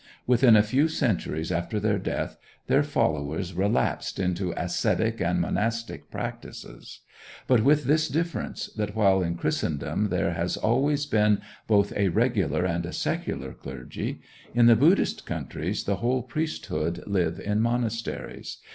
Within a few centuries after their death, their followers relapsed into ascetic and monastic practices; but with this difference, that while in Christendom there has always been both a regular and a secular clergy, in the Buddhist countries the whole priesthood live in monasteries.